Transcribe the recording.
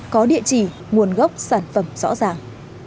có địa chỉ nguồn gốc sản phẩm rõ ràng